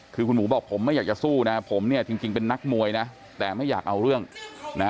คือคุณหมูบอกผมไม่อยากจะสู้นะผมเนี่ยจริงเป็นนักมวยนะแต่ไม่อยากเอาเรื่องนะ